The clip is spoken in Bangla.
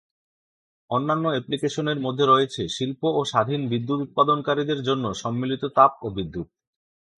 অন্যান্য অ্যাপ্লিকেশনের মধ্যে রয়েছে শিল্প ও স্বাধীন বিদ্যুৎ উৎপাদনকারীদের জন্য সম্মিলিত তাপ ও বিদ্যুৎ।